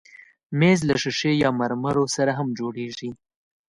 مېز له ښیښې یا مرمرو سره هم جوړېږي.